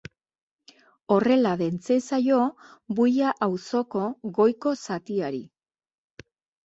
Horrela deitzen zaio Buia auzoko goiko zatiari.